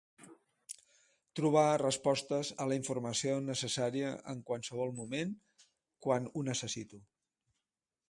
Trobar respostes a la informació necessària en qualsevol moment, quan ho necessito.